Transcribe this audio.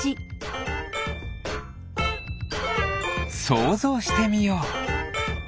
そうぞうしてみよう。